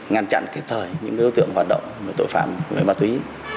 ngăn chặn thời những đối tượng hoạt động tội phạm người ma túy